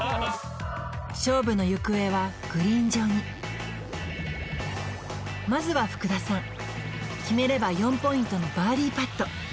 勝負の行方はグリーン上にまずは福田さん決めれば４ポイントのバーディーパット